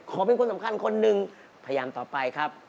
ขอบคุณคณะกรรมการทั้ง๓ท่านมากครับ